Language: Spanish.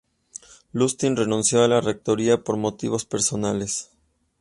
Lustig renunció a la rectoría por motivos personales.